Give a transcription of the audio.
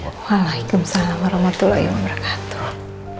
waalaikumsalam warahmatullahi wabarakatuh